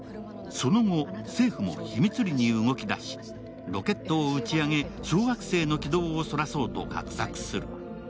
その後、政府も秘密裏に動き出し、ロケットを打ち上げ、小惑星の軌道をそらそうと画策する。